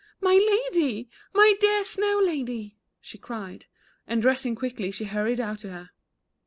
"My Lady, my dear Snow Lady," she cried, and dressing quickly she hurried out to her.